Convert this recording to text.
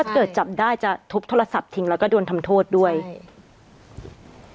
ถ้าเกิดจับได้จะทบโทรศัพท์ถึงแล้วก็โดนทำโทษด้วยใช่